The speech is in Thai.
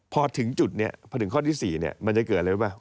พอถึงจุดนี้พอถึงข้อที่๔มันจะเกิดอะไรป่ะ